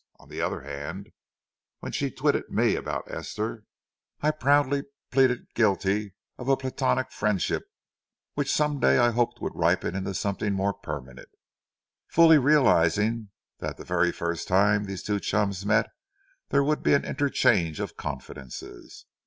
On the other hand, when she twitted me about Esther, I proudly plead guilty of a Platonic friendship which some day I hoped would ripen into something more permanent, fully realizing that the very first time these two chums met there would be an interchange of confidences.